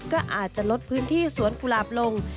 ก็อาจจะลดพื้นที่สวนกุหลาบลง